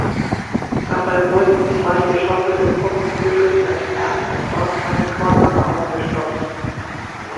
Dabei wurden zwei Geschosse des Ostflügels entfernt und dort eine Turnhalle aufgestockt.